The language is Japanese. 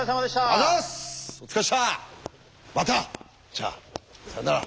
じゃあさよなら。